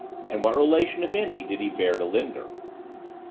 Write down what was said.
And what relation, if any, did he bear to Linder?